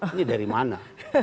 ini dari mana